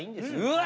うわ！